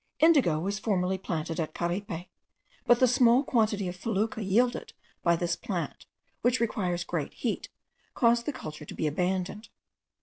Indigo was formerly planted at Caripe, but the small quantity of fecula yielded by this plant, which requires great heat, caused the culture to be abandoned.